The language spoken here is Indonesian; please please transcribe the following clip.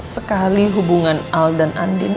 sekali hubungan al dan andin